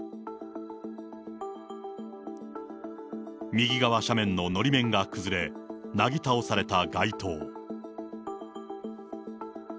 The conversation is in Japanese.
右側斜面ののり面が崩れ、なぎ倒された街灯。